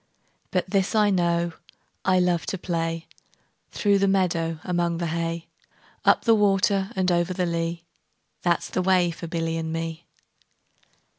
20 But this I know, I love to play Through the meadow, among the hay; Up the water and over the lea, That 's the way for Billy and me.